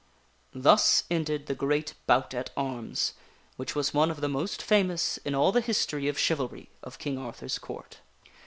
Thus ended the great bout at arms, which was one of the most famous in all the history of chivalry of King Arthur's Court.